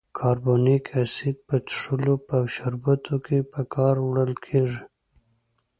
کاربونیک اسید په څښلو په شربتونو کې په کار وړل کیږي.